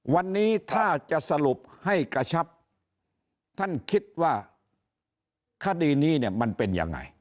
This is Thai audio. วันนี้ถ้าจะสรุปให้กระชับท่านคิดว่าคดีนี้เนี่ยมันเป็นยังไง